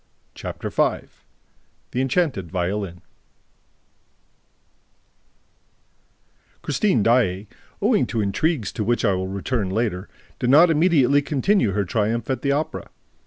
Chapter V The Enchanted Violin Christine Daae, owing to intrigues to which I will return later, did not immediately continue her triumph at the Opera.